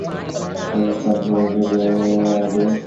তারপর পথ পাইলে বাহির হইয়া যায়।